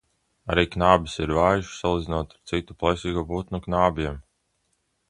Arī knābis ir vājš, salīdzinot ar citu plēsīgo putnu knābjiem.